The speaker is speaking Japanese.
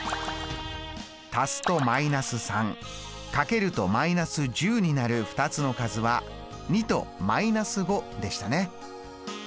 足すと−３かけると−１０になる２つの数は２と−５でしたね。